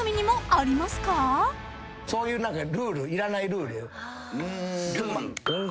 そういうルールいらないルール。